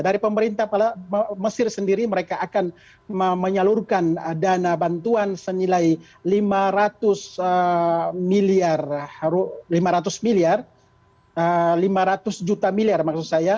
dari pemerintah mesir sendiri mereka akan menyalurkan dana bantuan senilai lima ratus miliar lima ratus juta miliar maksud saya